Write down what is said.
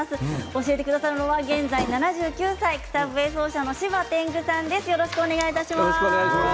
教えてくださるのは現在７９歳草笛奏者の芝天狗さんです。